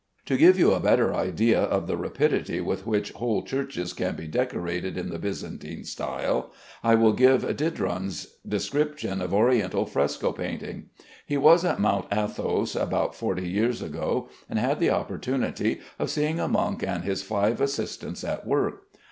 To give you a better idea of the rapidity with which whole churches can be decorated in the Byzantine style, I will give Didron's description of Oriental fresco painting. He was at Mount Athos about forty years ago, and had the opportunity of seeing a monk and his five assistants at work.